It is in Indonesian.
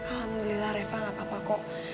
alhamdulillah reva gak apa apa kok